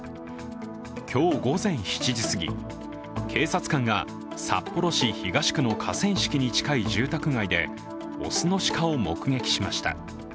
今日午前７時すぎ、警察官が札幌市東区の河川敷に近い住宅街で雄の鹿を目撃しました。